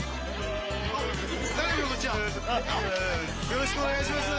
よろしくお願いします。